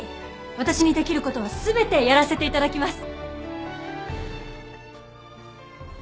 私にできる事は全てやらせて頂きます。